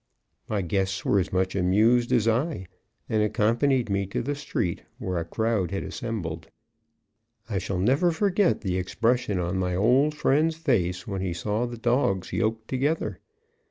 My guests were as much amused as I, and accompanied me to the street, where a crowd had assembled. I shall never forget the expression on my old friend's face when he saw the dogs yoked together.